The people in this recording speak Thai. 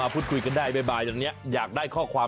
ผู้กัดสมัดข่าว